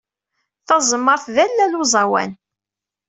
Tazemmaṛt d allal n uẓawan.